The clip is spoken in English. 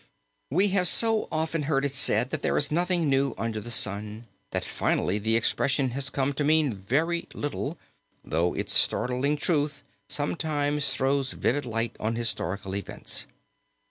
We have so often heard it said that there is nothing new under the sun, that finally the expression has come to mean very little, though its startling truth sometimes throws vivid light on historical events.